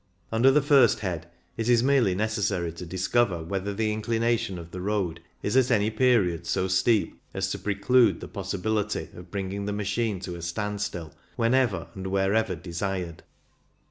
Under the first head it is merely necessary to discover whether the inclination of the road is at any period so steep as to preclude the possibility of bringing the machine to a standstill whenever and wherever desired.